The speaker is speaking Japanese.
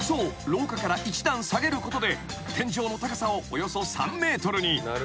廊下から一段下げることで天井の高さをおよそ３ｍに］